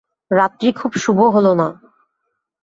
রাত্রি খুব শুভ হল না।